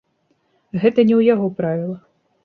Гэта не ў яго правілах.